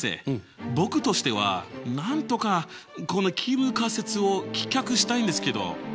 僕としてはなんとかこの帰無仮説を棄却したいんですけど。